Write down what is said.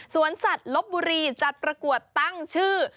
สวนสัตว์ลบบุรีจัดประกวดตั้งชื่อ